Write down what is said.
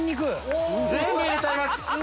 全部入れちゃいます。